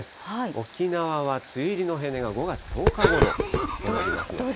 沖縄は梅雨入りの平年が５月１０日ごろとなりますので。